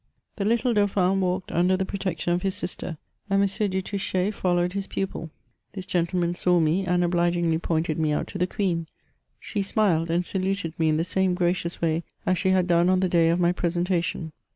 The little dauphin walked under the protection of his sister, and M. du Touchet followed his pnpil ; this gentleman saw me, and obligingly pointed me out to the queen. She smiled, and saluted me in the same gracious way as she had done on the day of my presentation.